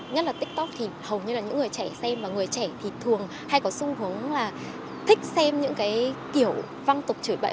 nhất là tiktok thì hầu như là những người trẻ xem và người trẻ thì thường hay có xu hướng là thích xem những cái kiểu văng tục chửi bậy